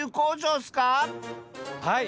はい。